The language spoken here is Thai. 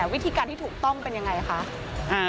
วิธีการที่ถูกต้องเป็นยังไงคะ